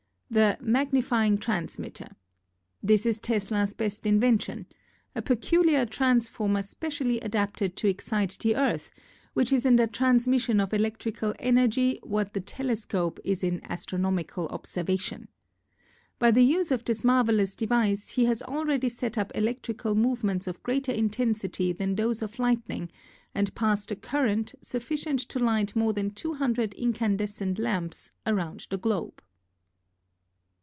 The 'Magnifying Transmitter.' This is Tesla's best invention — a peculiar transformer spe cially adapted to excite the Earth, which is in the transmission of electrical energy what the tele scope is in astronomical observation. By the use of this marvelous device he has already set up electrical movements of greater intensity than those of lightning and passed a current, sufficient to light more than two hundred incandescent lamps, around the Globe.